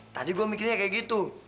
tadi gue mikirnya kayak gitu